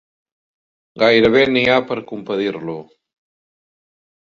Gairebé n'hi ha per compadir-lo.